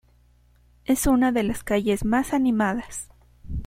Es una de las calles más animadas.